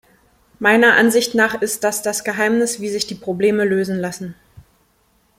Meiner Ansicht nach ist das das Geheimnis, wie sich die Probleme lösen lassen.